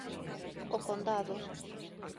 O Condado.